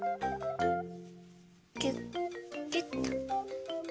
ぎゅっぎゅっと。